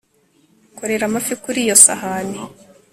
korera amafi kuri iyo sahani